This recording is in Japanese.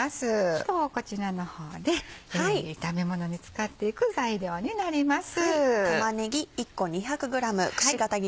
今日はこちらの方で炒めものに使っていく材料になります。